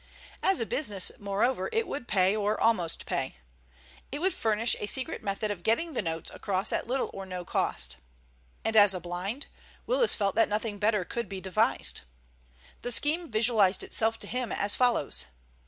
As a business, moreover, it would pay or almost pay. It would furnish a secret method of getting the notes across at little or no cost. And as a blind, Willis felt that nothing better could be devised. The scheme visualized itself to him as follows.